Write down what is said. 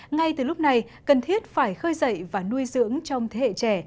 ngay từ lúc này cần thiết phải khơi dậy và nuôi dưỡng trong thế hệ trẻ